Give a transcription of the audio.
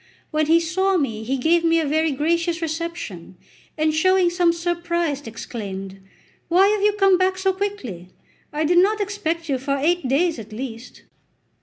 When he saw me he gave me a very gracious reception, and showing some surprise, exclaimed: "Why have you come back so quickly; I did not expect you for eight days at least."